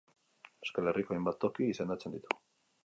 Euskal Herriko hainbat toki izendatzen ditu.